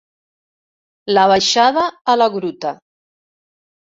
La baixada a la gruta.